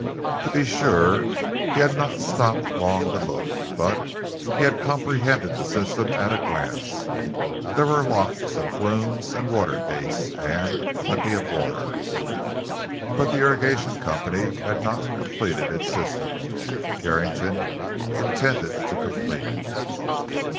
To be sure, he had not stopped long to look, but he had comprehended the system at a glance. There were locks and flumes and water gates, and plenty of water. But the irrigation company had not completed its system. Carrington intended to complete it.